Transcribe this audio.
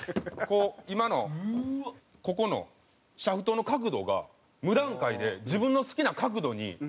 今のここのシャフトの角度が無段階で自分の好きな角度に調整できるんですよ。